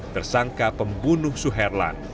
tersangka pembunuh suherlan